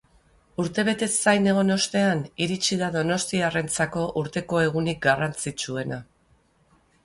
Urtebetez zain egon ostean, iritsi da donostiarrentzako urteko egunik garrantzitsuena.